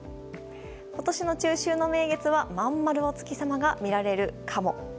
今年の中秋の名月はまん丸お月様が見られるかも？